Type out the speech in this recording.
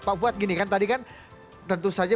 papuat gini kan tadi kan tentu saja